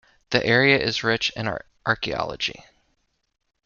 The area is rich in archaeology.